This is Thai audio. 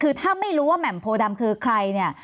คือถ้าไม่รู้ว่าแหม่มโพดำคือใครเนี่ย